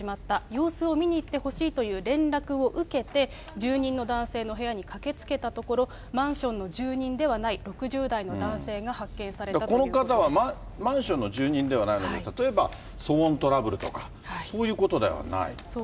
様子を見に行ってほしいという連絡を受けて、住人の男性の部屋に駆けつけたところ、マンションの住人ではない６０代の男性が発見されたということでこの方はマンションの住人ではないので、例えば騒音トラブルとか、そういうことではないだろ